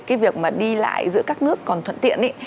cái việc mà đi lại giữa các nước còn thuận tiện